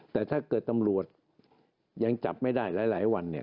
แต่ถ้าเกิดตำรวจยังจับไม่ได้หลายวันเนี่ย